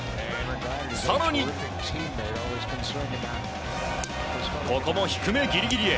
更に、ここも低めギリギリへ。